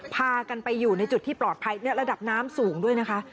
พากันไปอยู่ในจุดที่ปลอดภัยระดับน้ำสูงด้วยนะคะ